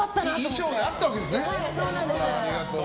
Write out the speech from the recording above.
衣装であったわけですね。